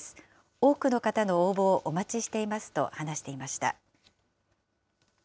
多くの方の応募をお待ちしていますと話していました。